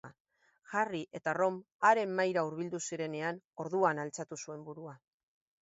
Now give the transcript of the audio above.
Harry eta Ron haren mahaira hurbildu zirenean, orduan altxatu zuen burua.